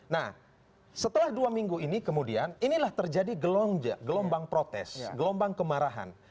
nah setelah dua minggu ini kemudian inilah terjadi gelombang protes gelombang kemarahan